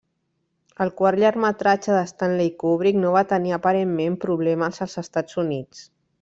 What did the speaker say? El quart llargmetratge de Stanley Kubrick no va tenir aparentment problemes als Estats Units.